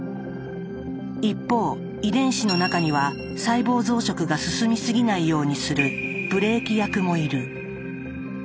一方遺伝子の中には細胞増殖が進みすぎないようにするブレーキ役もいる。